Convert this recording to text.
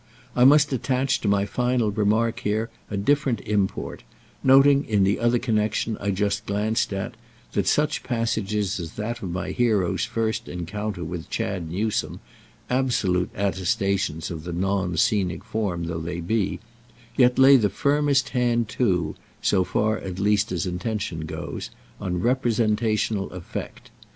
I must attach to my final remark here a different import; noting in the other connexion I just glanced at that such passages as that of my hero's first encounter with Chad Newsome, absolute attestations of the non scenic form though they be, yet lay the firmest hand too—so far at least as intention goes—on representational effect.